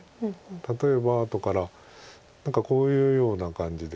例えば後から何かこういうような感じで。